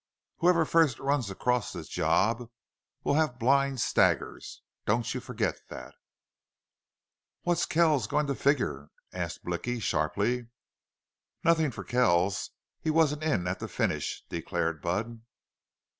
"Whoever fust runs acrost this job will have blind staggers, don't you forgit thet!" "What's Kells goin' to figger?" asked Blicky, sharply. "Nothin' fer Kells! He wasn't in at the finish!" declared Budd.